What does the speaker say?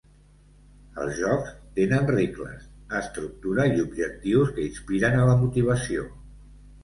Els jocs tenen regles, estructura i objectius que inspiren a la motivació.